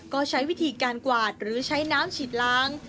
ก็ใช้วิธีการกวาดหรือใช้น้ำฉีดล้าง